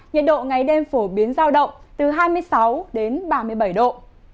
nhiệt độ ngày đêm phổ biến giao động từ hai mươi sáu đến ba mươi bảy độ